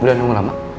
belum nunggu lama